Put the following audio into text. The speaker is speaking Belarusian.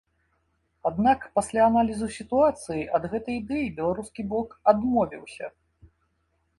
Аднак пасля аналізу сітуацыі ад гэтай ідэі беларускі бок адмовіўся.